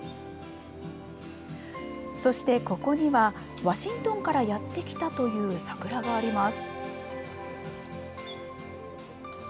そしてここには、ワシントンからやって来たという桜があります。